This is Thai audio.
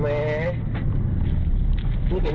แม่งกระสั่ง